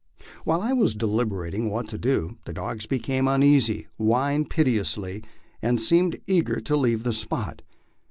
While I was deliberating what to do, the dogs became uneasy, whined piteously, and seemed eager tc leave the spot.